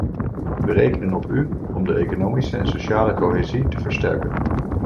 We rekenen op u om de economische en sociale cohesie te versterken.